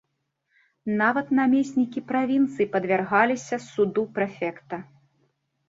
Нават намеснікі правінцый падвяргаліся суду прэфекта.